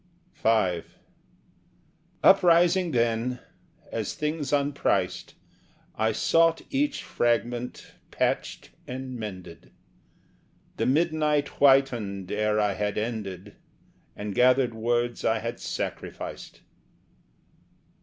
V Uprising then, as things unpriced I sought each fragment, patched and mended; The midnight whitened ere I had ended And gathered words I had sacrificed.